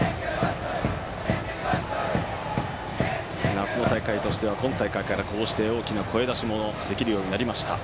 夏の大会としては今大会から声出し応援もできるようになりました。